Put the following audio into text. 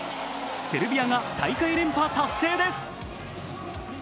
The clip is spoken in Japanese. セルビアが大会連覇達成です。